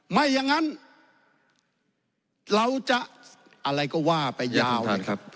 ไม่อย่างนั้นเราจะอะไรก็ว่าไปยาวนะครับ